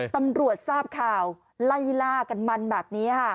ตำรวจทราบข่าวไล่ล่ากันมันแบบนี้ค่ะ